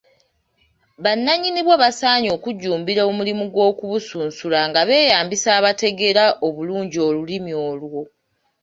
Bannannyini bwo basaanye okujjumbira omulimu gw’okubusunsula nga beeyambisa abateegera obulungi Olulimi olwo.